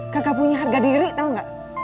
kagak punya harga diri tau gak